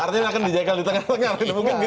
artinya akan dijagal di tengah tengah